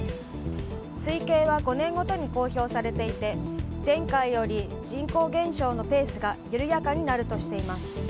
推計は５年ごとに公表されていて前回より人口減少のペースが緩やかになるとしています。